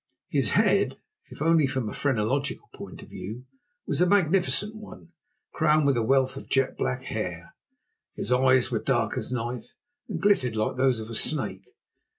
His head, if only from a phrenological point of view, was a magnificent one, crowned with a wealth of jet black hair. His eyes were dark as night, and glittered like those of a snake.